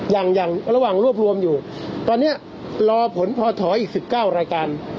ยังยังระหว่างรวบรวมอยู่ตอนเนี้ยรอผลพอถอยอีกสิบเก้ารายการ